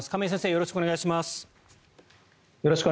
よろしくお願いします。